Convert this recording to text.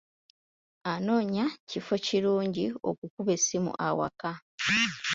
Anoonya kifo kirungi okukuba essimu ewaka.